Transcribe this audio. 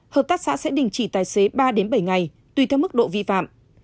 hợp tác xã sẽ đình chỉ tài xế ba bảy ngày tùy theo mức độ vi phạm